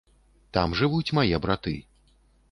Там жывуць мае браты.